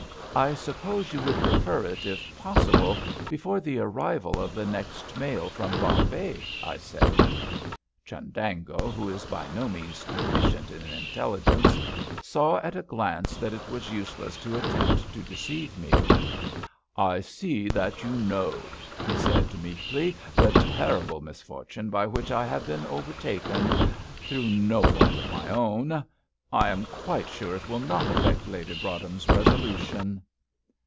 "I suppose you would prefer it, if possible, before the arrival of the next mail from Bombay?" I said. Chundango, who is by no means deficient in intelligence, saw at a glance that it was useless to attempt to deceive me. "I see that you know," he said, meekly, "the terrible misfortune by which I have been overtaken, through no fault of my own. I am quite sure it will not affect Lady Broadhem's resolution."